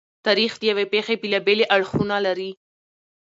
تاریخ د یوې پېښې بېلابېلې اړخونه لري.